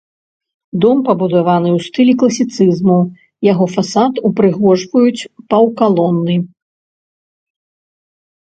Дом пабудаваны ў стылі класіцызму, яго фасад упрыгожваюць паўкалоны.